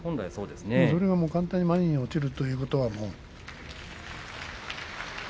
簡単に前に落ちるということは。